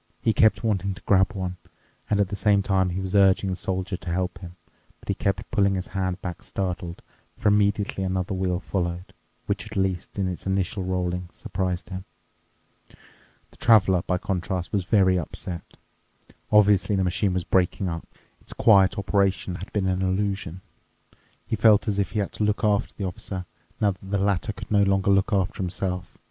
He kept wanting to grab one, and at the same time he was urging the Soldier to help him. But he kept pulling his hand back startled, for immediately another wheel followed, which, at least in its initial rolling, surprised him. The Traveler, by contrast, was very upset. Obviously the machine was breaking up. Its quiet operation had been an illusion. He felt as if he had to look after the Officer, now that the latter could no longer look after himself.